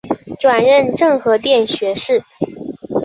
转任政和殿学士。